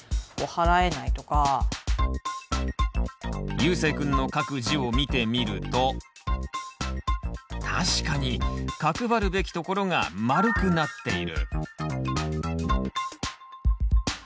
ゆうせいくんの書く字を見てみると確かに角張るべきところが丸くなっている。